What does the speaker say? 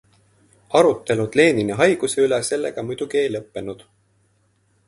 Arutelud Lenini haiguse üle sellega muidugi ei lõppenud.